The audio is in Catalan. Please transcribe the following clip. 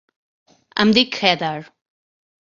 Em dic Heather.